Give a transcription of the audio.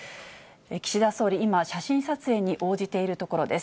岸田総理、今、写真撮影に応じているところです。